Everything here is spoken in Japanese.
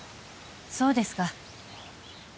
そうですか。